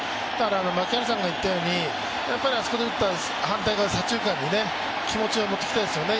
槙原さんが言ったようにあそこで打った反対側、左中間に気持ちを持って行きたいですよね。